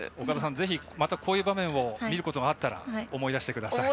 ぜひまたこういう場面を見ることがあったら思い出してください。